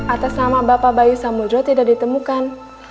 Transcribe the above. atas nama bapak bayu samudjo tidak ditemukan